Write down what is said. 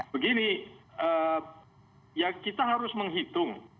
begini ya kita harus menghitung